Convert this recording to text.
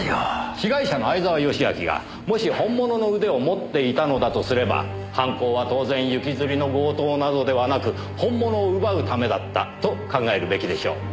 被害者の相沢良明がもし本物の腕を持っていたのだとすれば犯行は当然行きずりの強盗などではなく本物を奪うためだったと考えるべきでしょう。